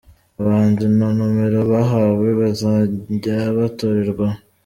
Abahanzi na nomero bahawe bazajya batorerwaho:.